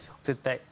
絶対。